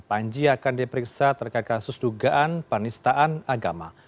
panji akan diperiksa terkait kasus dugaan penistaan agama